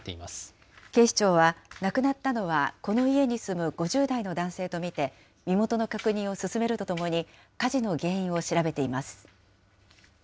警視庁は、亡くなったのはこの家に住む５０代の男性と見て、身元の確認を進めるとともに、火事の原因を調べています。